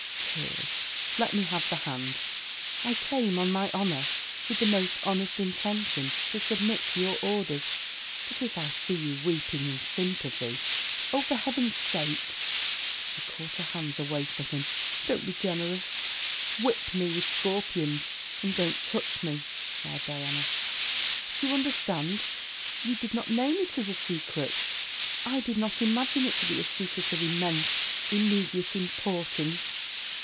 Tears! Let me have the hand. I came, on my honour, with the most honest intention to submit to your orders: but if I see you weeping in sympathy!' 'Oh! for heaven's sake,' she caught her hands away from him, 'don't be generous. Whip me with scorpions. And don't touch me,' cried Diana. 'Do you understand? You did not name it as a secret. I did not imagine it to be a secret of immense, immediate importance.'